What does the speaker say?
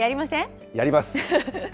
やります。